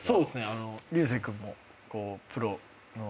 流星君もプロの。